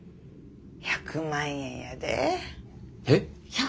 １００万円やで。え！？